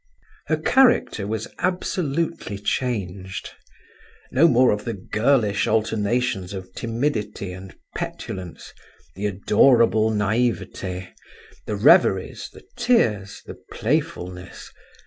Her character was absolutely changed. No more of the girlish alternations of timidity and petulance, the adorable naivete, the reveries, the tears, the playfulness...